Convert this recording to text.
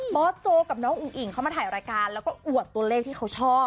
อสโจกับน้องอุ๋งอิ่งเขามาถ่ายรายการแล้วก็อวดตัวเลขที่เขาชอบ